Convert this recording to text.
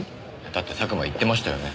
だって佐久間言ってましたよね。